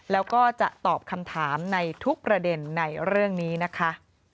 แล้วก็จะตอบคำถามในทุกประเด็นในเรื่องนี้นะคะ